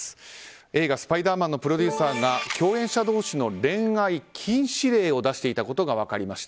映画「スパイダーマン」のプロデューサーが共演者同士の恋愛禁止令を出していたことが分かりました。